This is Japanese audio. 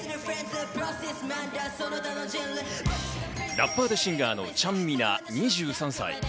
ラッパーでシンガーのちゃんみな、２３歳。